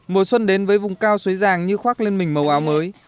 mùa xuân đến với vùng cao xuế giàng như khoác lên mình màu áo mới